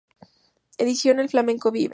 Edición: El Flamenco Vive.